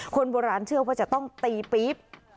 คนโบราณเชื่อว่าจะต้องตีปี๊บ